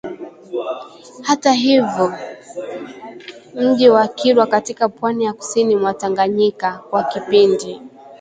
Hata hivyo, mji wa kilwa katika pwani ya kusini mwa tanganyika, kwa kipindi